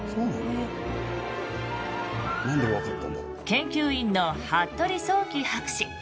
研究員の服部創紀博士。